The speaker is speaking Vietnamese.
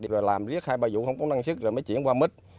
rồi làm riết hai ba vụ không có năng suất rồi mới chuyển qua mít